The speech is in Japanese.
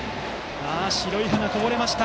白い歯がこぼれました。